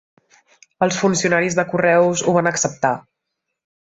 Els funcionaris de correus ho van acceptar.